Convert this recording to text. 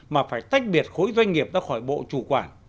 mà phải tách biệt khối doanh nghiệp ra khỏi bộ chủ quản